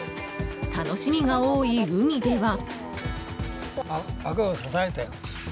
楽しみが多い海では。